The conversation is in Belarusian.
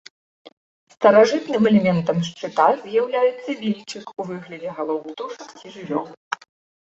Старажытным элементам шчыта з'яўляецца вільчык у выглядзе галоў птушак ці жывёл.